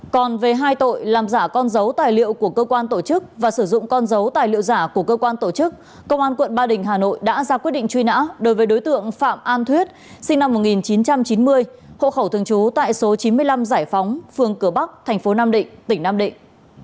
còn về hai tội làm giả con dấu tài liệu của cơ quan tổ chức và sử dụng con dấu tài liệu giả của cơ quan tổ chức công an quận ba đình hà nội đã ra quyết định truy nã đối với đối tượng phạm an thuyết sinh năm một nghìn chín trăm chín mươi hộ khẩu thường trú tại số chín mươi năm giải phóng phường cửa bắc thành phố nam định tỉnh nam định